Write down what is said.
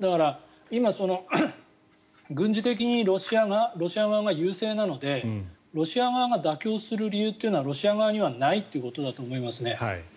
だから、今軍事的にロシア側が優勢なのでロシア側が妥協する理由はロシア側にはないということだと思います。